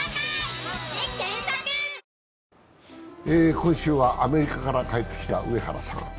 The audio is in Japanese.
今週はアメリカから帰ってきた上原さん